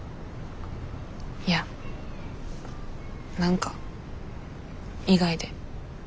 いや何か意外で。